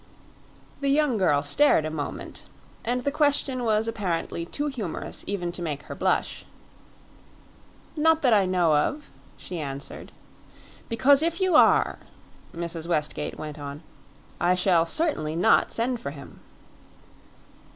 The young girl stared a moment, and the question was apparently too humorous even to make her blush. "Not that I know of," she answered. "Because if you are," Mrs. Westgate went on, "I shall certainly not send for him."